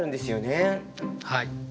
はい。